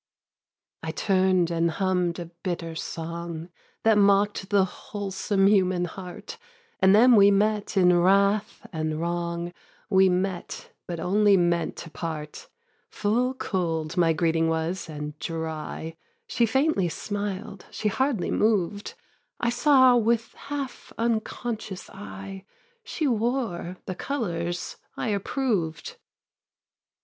I turn'd and humm'd a bitter song That mock'd the wholesome human heart, And then we met in wrath and wrong, We met, but only meant to part. Full cold my greeting was and dry; She faintly smiled, she hardly moved; I saw with half unconscious eye She wore the colours I approved. 3.